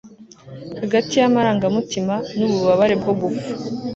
hagati y'amarangamutima n'ububabare bwo gupfa